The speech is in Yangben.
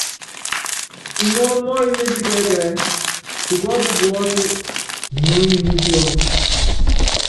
Ŋɔɔ́ mɔ́ɔyimɛt kɛ ɛkɛɛ́, tukɔɔp puɔ́sɛ́ niony ni piɔ́n.